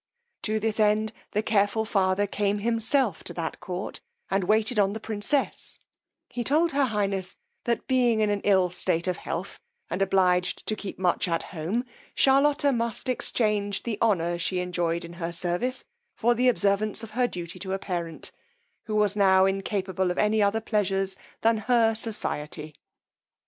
To this end the careful Father came himself to that court, and waited on the princess: he told her highness, that being in an ill state of health and obliged to keep much at home, Charlotta must exchange the honour she enjoyed in her service, for the observance of her duty to a parent, who was now incapable of any other pleasures than her society.